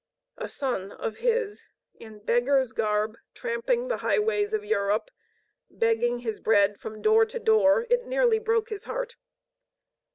A son of his in beggar's garb, tramping the highways of Europe, begging his bread from door to door! It nearly broke his heart.